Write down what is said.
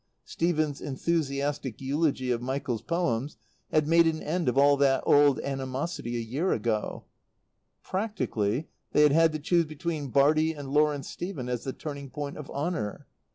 Stephen's enthusiastic eulogy of Michael's Poems had made an end of that old animosity a year ago. Practically, they had had to choose between Bartie and Lawrence Stephen as the turning point of honour.